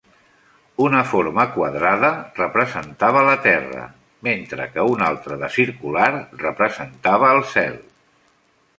Una forma quadrada representava la Terra, mentre que una altra de circular representava el cel.